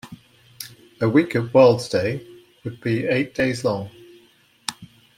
A week with a Worldsday would be eight days long.